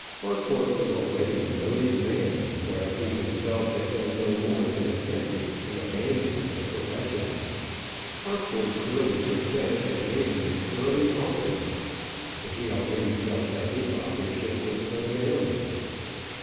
Harcourt was already a noted man, while he himself had done no more than attempted and abandoned a profession. Harcourt's early success had made him an early author; but he already felt that his authorship was unavailing.